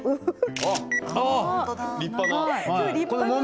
あっ立派な。